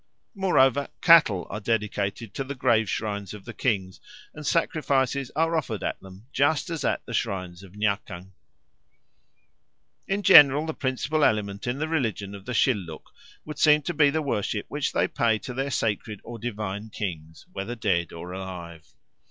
Moreover, cattle are dedicated to the grave shrines of the kings and sacrifices are offered at them just as at the shrines of Nyakang. In general the principal element in the religion of the Shilluk would seem to be the worship which they pay to their sacred or divine kings, whether dead or alive.